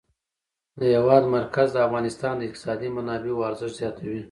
د هېواد مرکز د افغانستان د اقتصادي منابعو ارزښت زیاتوي.